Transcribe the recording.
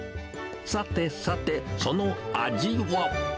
さてさて、その味は。